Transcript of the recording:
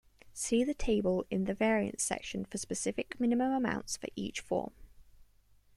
See the table in the variants section for specific minimum amounts for each form.